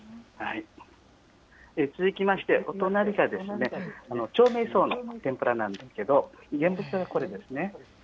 続きまして、お隣が長命草の天ぷらなんですけど、現物はこれですね。